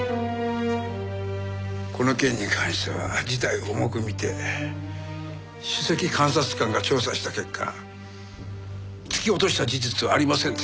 この件に関しては事態を重く見て首席監察官が調査した結果突き落とした事実はありませんでした。